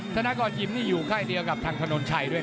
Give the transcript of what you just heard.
ธนากรยิมนี่อยู่ค่ายเดียวกับทางถนนชัยด้วยนะ